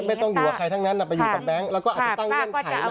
ไม่ต้องอยู่กับใครทั้งนั้นไปอยู่กับแบงค์แล้วก็อาจจะตั้งเงื่อนไขมา